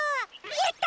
やった！